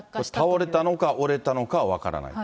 倒れたのか折れたのかは分からないと。